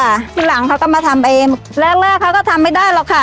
ทีหลังเขาก็มาทำเองแรกแรกเขาก็ทำไม่ได้หรอกค่ะ